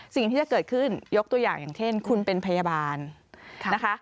สิ่งที่จะเกิดขึ้นยกตัวอย่างอย่างเช่นคุณเป็นพยาบาลนะคะ